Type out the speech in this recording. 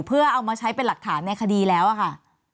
เพื่อเอามาใช้เป็นหลักฐานในคดีแล้วอะค่ะ